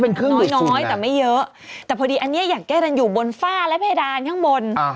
เป็นครึ่งน้อยน้อยแต่ไม่เยอะแต่พอดีอันนี้อย่างแก้กันอยู่บนฝ้าและเพดานข้างบน